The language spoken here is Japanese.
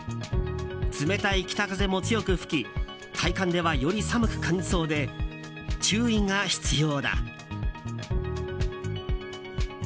冷たい北風も強く吹き体感ではより寒く感じそうで注意が必要だ。